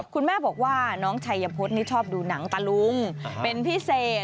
คุณแม่บอกว่าน้องชัยพฤษนี่ชอบดูหนังตะลุงเป็นพิเศษ